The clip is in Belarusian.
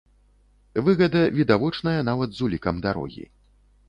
Выгада відавочная нават з улікам дарогі.